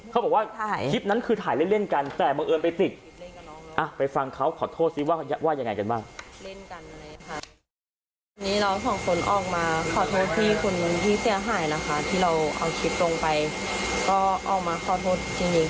เขาบอกว่าคลิปนั้นคือถ่ายเล่นกันแต่บังเอิญไปติดไปฟังเขาขอโทษซิว่าว่ายังไงกันบ้าง